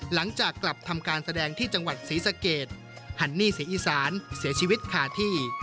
หลังจากกลับทำการแสดงที่จังหวัดศรีสะเกดฮันนี่ศรีอีสานเสียชีวิตคาที่